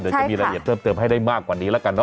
เดี๋ยวจะมีรายละเอียดเพิ่มเติมให้ได้มากกว่านี้แล้วกันเน